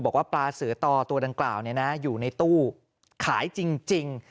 บอกว่าปลาเสือต่อตัวดังกล่าวอยู่ในตู้ขายจริง